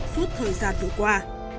suốt thời gian vừa qua